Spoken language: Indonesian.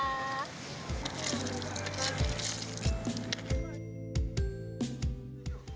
sama es kelapa